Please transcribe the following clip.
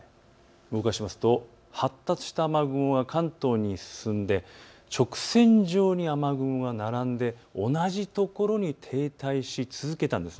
動かしますと発達した雨雲が関東に進んで直線状に雨雲が並んで同じところに停滞し続けたんです。